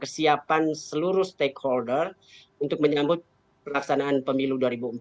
siapan seluruh stakeholder untuk menyambut pelaksanaan pemilu dua ribu dua puluh empat